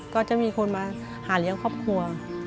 ก็จะมีคนมาหาเลี้ยงครอบครัว